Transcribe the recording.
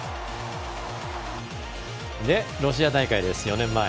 ロシア大会です、４年前。